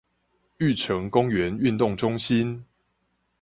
玉成公園運動中心